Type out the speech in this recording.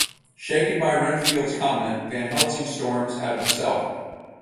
Shaken by Renfield's comment, Van Helsing storms out of the cell.